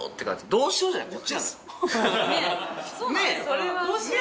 「どうしよう」じゃないよね。